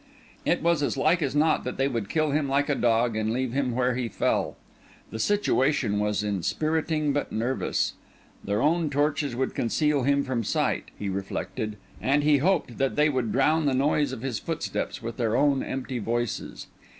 It was as like as not that they would kill him like a dog and leave him where he fell. The situation was inspiriting but nervous. Their own torches would conceal him from sight, he reflected; and he hoped that they would drown the noise of his footsteps with their own empty voices.